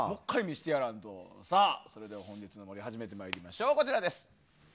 それでは本日も始めてまいりましょう。